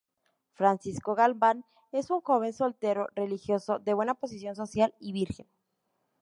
Francisco Galván es un joven soltero, religioso, de buena posición social y virgen.